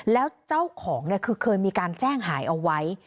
แล้วเจ้าของเนี่ยคือเคยมีการแจ้งหายเอาไว้